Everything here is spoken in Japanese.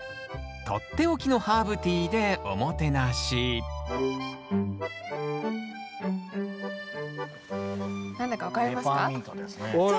取って置きのハーブティーでおもてなし何だか分かりますか？